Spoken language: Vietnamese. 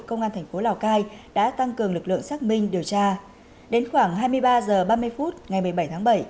công an thành phố lào cai đã tăng cường lực lượng xác minh điều tra đến khoảng hai mươi ba h ba mươi phút ngày một mươi bảy tháng bảy